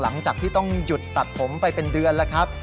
หลังจากที่ต้องหยุดตัดผมไปเป็นเดือนแล้วครับ